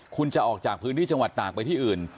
คุณจะออกจากพื้นที่จังหวัดตากไปที่อื่น